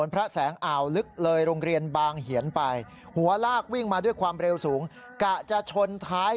แล้วรถสายไปสายมาหน้าหวัดเสียมากในคลิปที่เขาไปโพสต์ไว้